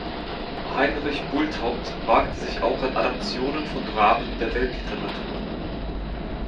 Heinrich Bulthaupt wagte sich auch an Adaptionen von Dramen der Weltliteratur.